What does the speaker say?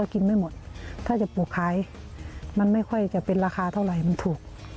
กินไม่หมดถ้าจะปลูกขายมันไม่ค่อยจะเป็นราคาเท่าไหร่มันถูก